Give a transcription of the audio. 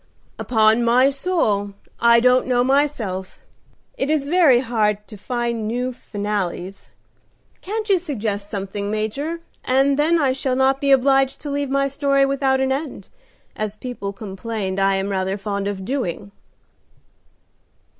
"Upon my soul, I don't know myself. It is very hard to find new finales. Can't you suggest something, Major? then I shall not be obliged to leave my story without an end, as people complain I am rather fond of doing."